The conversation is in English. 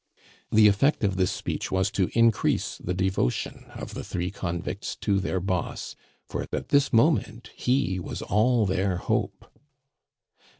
The effect of this speech was to increase the devotion of the three convicts to their boss; for at this moment he was all their hope.